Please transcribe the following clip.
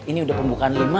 ini udah pembukaan lima